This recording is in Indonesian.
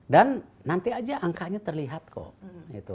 dan nanti aja angkanya terlihat kok